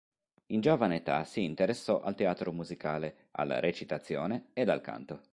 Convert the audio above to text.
In giovane età si interessò al teatro musicale, alla recitazione ed al canto.